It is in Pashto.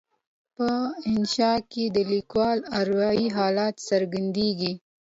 په انشأ کې د لیکوال اروایي حالت څرګندیږي.